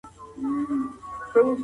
هیڅوک باید بې عزتي ونه کړي.